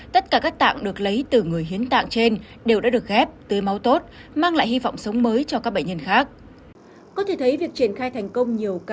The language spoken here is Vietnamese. tất cả các tạng được lấy từ người hiến tạng trên đều đã được ghép tới máu tốt mang lại hy vọng sống mới cho các bệnh nhân khác